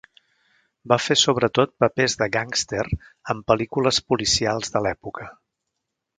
Va fer sobretot papers de gàngster en pel·lícules policials de l'època.